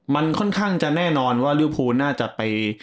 มันค่อนข้างจะแน่นอนว่าริวภูน่าจะไป